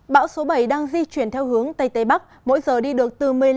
bão số bảy đang di chuyển theo hướng tây tây bắc